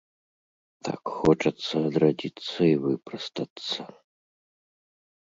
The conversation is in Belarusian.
Так хочацца адрадзіцца і выпрастацца.